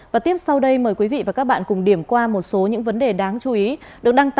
và tiếp sau đây mời quý vị và các bạn cùng điểm qua